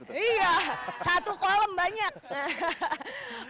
iya satu kolam banyak